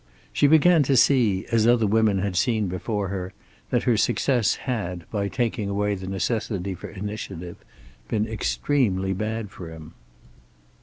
She began to see, as other women had seen before her, that her success had, by taking away the necessity for initiative, been extremely bad for him.